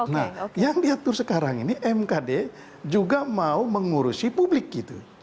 nah yang diatur sekarang ini mkd juga mau mengurusi publik gitu